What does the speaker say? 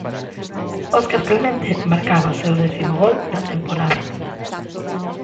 Óscar Clemente marcaba o seu décimo gol da temporada.